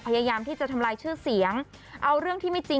พยายามที่จะทำลายชื่อเสียงเอาเรื่องที่ไม่จริง